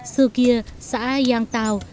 xưa kia xã giang tào